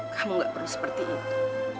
kamu gak perlu seperti itu